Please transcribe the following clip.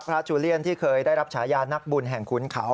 จูเลียนที่เคยได้รับฉายานักบุญแห่งขุนเขา